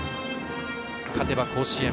勝てば甲子園。